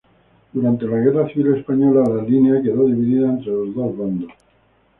Durante la Guerra civil española la línea quedó dividida entre los dos bandos.